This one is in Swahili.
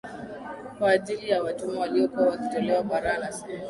kwa ajili ya watumwa waliokuwa wakitolewa bara anasema